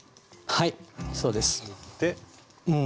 はいそうです。